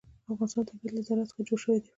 د افغانستان طبیعت له زراعت څخه جوړ شوی دی.